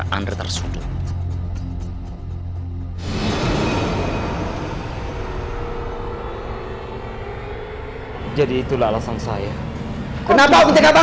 morality terus arguments polis agar untuk buat lempar impor nast agar adlen untuk beli yang